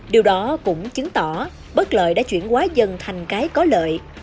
điều đó cũng chứng tỏ bất lợi đã chuyển quá dần thành cái có lợi